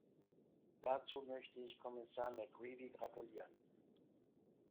Dazu möchte ich Kommissar McCreevy gratulieren.